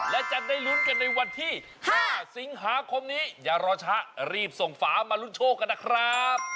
และจะได้ลุ้นกันในวันที่๕สิงหาคมนี้อย่ารอช้ารีบส่งฝามาลุ้นโชคกันนะครับ